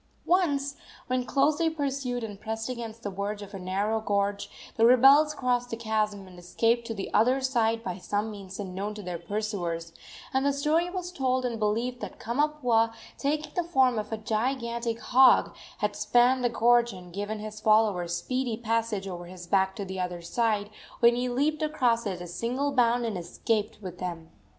Once, when closely pursued and pressed against the verge of a narrow gorge, the rebels crossed the chasm and escaped to the other side by some means unknown to their pursuers, and the story was told and believed that Kamapuaa, taking the form of a gigantic hog, had spanned the gorge and given his followers speedy passage over his back to the other side, when he leaped across at a single bound and escaped with them.